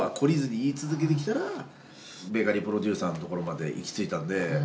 ベーカリープロデューサーのところまでいきついたので。